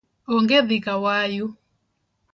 Onge dhi kawayu